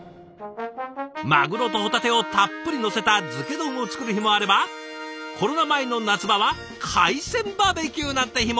マグロとホタテをたっぷりのせた漬け丼を作る日もあればコロナ前の夏場は海鮮バーベキューなんて日も。